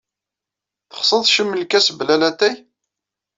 Texsed cem lkas bla n latay?